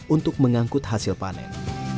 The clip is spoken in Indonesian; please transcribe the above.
untuk mengangkut hasil panen